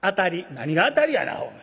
「何が当たりやなお前。